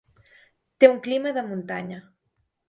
Té un clima de muntanya.